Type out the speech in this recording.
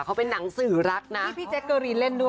เขาเป็นหนังสือรักนะมีพี่แจ๊กเกอรีนเล่นด้วย